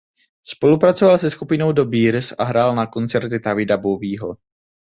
Spolupracoval se skupinou The Bears a hrál na koncertech Davida Bowieho.